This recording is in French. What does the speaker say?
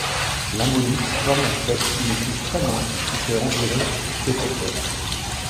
L'ammolite forme en fait une couche très mince, qui fait environ d'épaisseur.